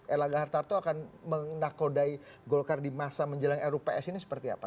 erlangga hartarto akan menakodai golkar di masa menjelang rups ini seperti apa